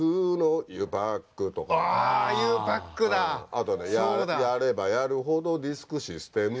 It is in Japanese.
あとやればやるほどディスクシステムとか。